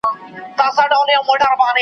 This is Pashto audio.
پر ښکاري وه ډېر ه ګرانه نازولې .